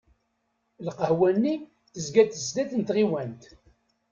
Lqahwa-nni tezga-d sdat n tɣiwant.